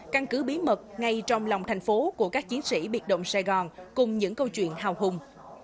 căn cứ bí mật ngay trong lòng thành phố của các chiến sĩ biệt động sài gòn cùng những câu chuyện hào hùng